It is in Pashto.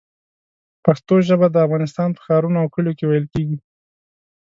پښتو ژبه د افغانستان په ښارونو او کلیو کې ویل کېږي.